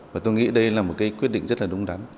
và tôi nghĩ đây là một cái quyết định rất là đúng đắn